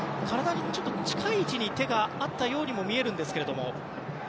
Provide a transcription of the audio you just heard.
体に近い位置に手があったようにも見えるんですけども。